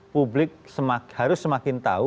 publik harus semakin tahu